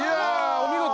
お見事！